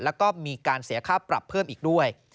แล้วก็มีการเสียค่าปรับเพิ่มอีกด้วย